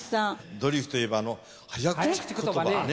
ドリフといえば早口言葉ね。